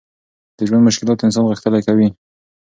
د ژوند مشکلات انسان غښتلی کوي.